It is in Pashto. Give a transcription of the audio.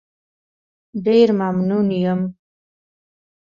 ډېر ممنون یم.